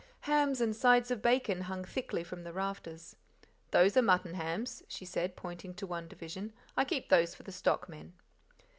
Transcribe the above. Hams and sides of bacon hung thickly from the rafters. "Those are mutton hams," she said, pointing to one division. "I keep those for the stockmen."